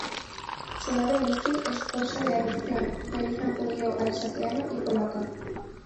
Su madre Lucie es corsa de adopción, de origen judío alsaciano y polaca.